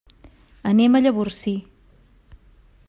Anem a Llavorsí.